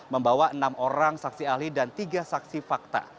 membawa enam orang saksi ahli dan tiga saksi fakta